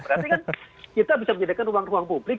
berarti kan kita bisa menjadikan ruang ruang publik